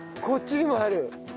こっちにもある。